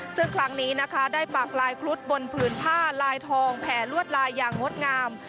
ซึ่งครั้งนี้นะคะได้ปากลายครุฑบนผืนผ้าลายทองแผ่ลวดลายอย่างงดงาม